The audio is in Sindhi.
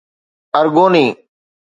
ارگوني